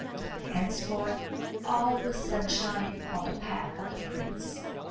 Henceforth all was sunshine on the path of the prince.